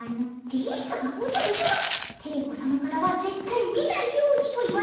ですがおじゃるさまテレ子さまからはぜったい見ないようにと言われておりますが。